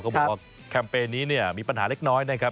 เขาบอกว่าแคมเปญนี้มีปัญหาเล็กน้อยนะครับ